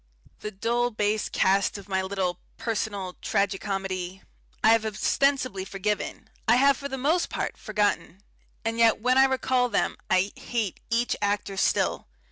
The dull base caste of my little personal tragi comedy I have ostensibly forgiven, I have for the most part forgotten and yet when I recall them I hate each actor still.